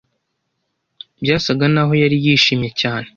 Byasaga naho yari yishimye cyane.